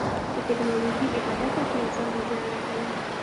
که ټیکنالوژي بې هدفه شي، انسان ته زیان رسوي.